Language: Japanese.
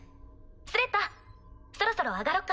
スレッタそろそろ上がろっか。